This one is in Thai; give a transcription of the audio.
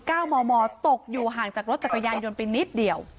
เก้ามอมอตกอยู่ห่างจากรถจักรยานยนต์ไปนิดเดียว